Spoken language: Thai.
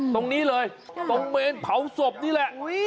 ตรงนี้เลยตรงเมนเผาศพนี่แหละ